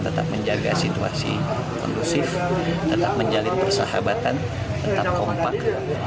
tetap menjaga situasi kondusif tetap menjalin persahabatan tetap kompak